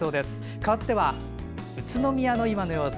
かわって、宇都宮の今の様子。